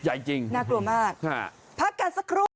ใหญ่จริงน่ากลัวมากฮะพักกันสักครู่